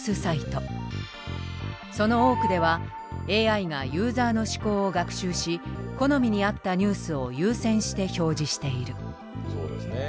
その多くではＡＩがユーザーの思考を学習し好みに合ったニュースを優先して表示している。